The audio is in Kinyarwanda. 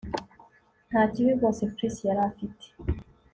Nta kibi rwose Chris yari afite